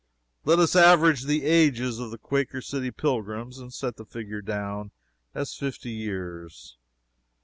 Let us average the ages of the __Quaker City__'s pilgrims and set the figure down as fifty years.